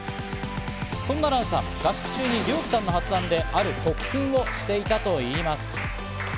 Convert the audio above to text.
そんなＲＡＮさん、合宿中にＲＹＯＫＩさんの発案で、ある特訓をしていたといいます。